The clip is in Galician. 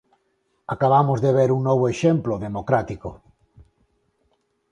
Acabamos de ver un novo exemplo democrático.